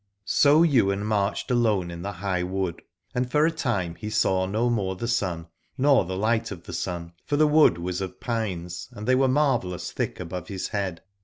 So Ywain marched alone in the high wood, and for a time he saw no more the sun, nor the light of the sun, for the wood was of pines and they were marvellous thick above his head.